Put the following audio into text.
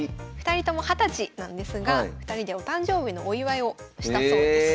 ２人とも２０歳なんですが２人でお誕生日のお祝いをしたそうです。